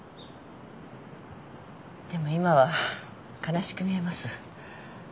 でも今は悲しく見えます。